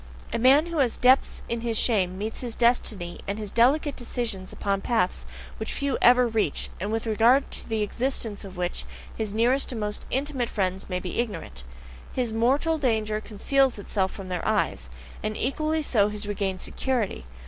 A man who has depths in his shame meets his destiny and his delicate decisions upon paths which few ever reach, and with regard to the existence of which his nearest and most intimate friends may be ignorant; his mortal danger conceals itself from their eyes, and equally so his regained security.